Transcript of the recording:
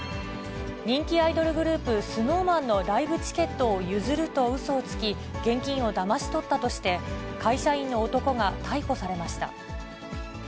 人気アイドルグループ、ＳｎｏｗＭａｎのライブチケットを譲るとうそをつき、現金をだまし取ったとして、会社員の男が逮捕されました。